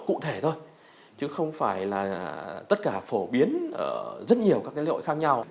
cụ thể thôi chứ không phải là tất cả phổ biến ở rất nhiều các cái lễ hội khác nhau